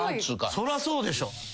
そらそうでしょ。